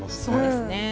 そうですね。